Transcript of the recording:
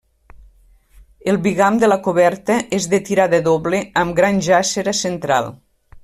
El bigam de la coberta és de tirada doble amb gran jàssera central.